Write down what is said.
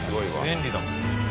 便利だもん。